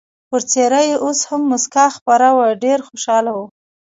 پر څېره یې اوس هم مسکا خپره وه، ډېر خوشحاله و.